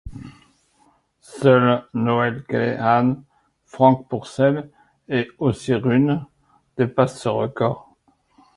Seuls Noel Kelehan, Franck Pourcel et Ossi Runne dépassent ce record.